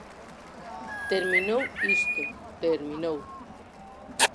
Terminou isto, terminou.